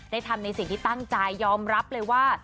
ทำในสิ่งที่ตั้งใจยอมรับเลยว่า